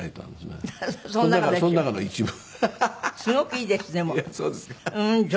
すごくいいですでも。